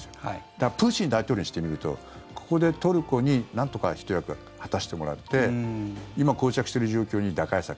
だからプーチン大統領にしてみるとここでトルコになんとかひと役果たしてもらって今、こう着している状況に打開策